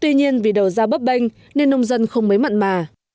tuy nhiên vì đầu ra bấp bênh nên nông dân không mấy mặn mà